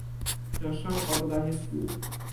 Proszę o dodanie słów